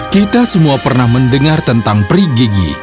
kita semua pernah mendengar tentang peri gigi